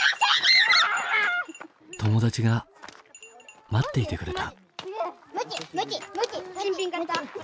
友達が待っていてくれた。